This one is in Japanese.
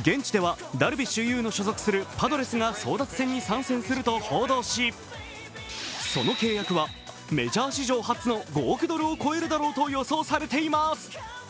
現地ではダルビッシュ有の所属するパドレスが争奪戦に参戦すると報道し、その契約はメジャー史上初の５億ドルを超えるだろうと予想されています。